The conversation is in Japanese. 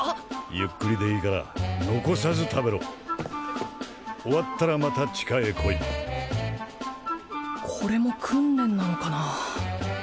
ゆっくりでいいから残さず食べろ終わったらまた地下へ来いこれも訓練なのかな